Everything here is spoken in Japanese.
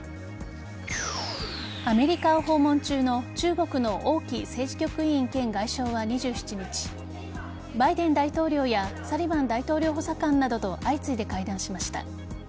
アメリカを訪問中の中国の王毅政治局委員兼外相は２７日バイデン大統領やサリバン大統領補佐官などと相次いで会談しました。